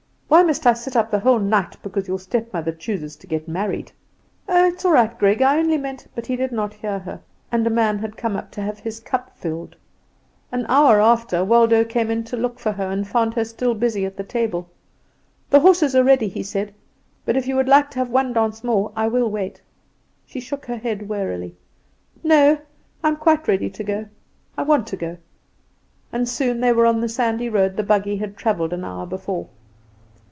"Why must I sit up the whole night because your stepmother chooses to get married?" "Oh, it's all right, Greg, I only meant " But he did not hear her, and a man had come up to have his cup filled. An hour after Waldo came in to look for her, and found her still busy at the table. "The horses are ready," he said; "but if you would like to have one dance more I will wait." She shook her head wearily. "No; I am quite ready. I want to go." And soon they were on the sandy road the buggy had travelled an hour before.